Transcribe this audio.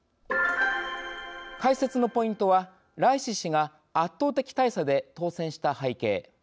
解説のポイントはライシ師が圧倒的大差で当選した背景。